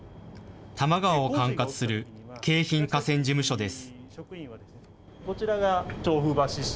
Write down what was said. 多摩川を管轄する京浜河川事務所です。